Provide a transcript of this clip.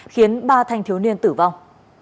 khiến ba thanh thiếu niên tử vong